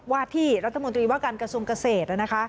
ว่าที่รัฐมนตรีว่าการกระทรวงเกษตร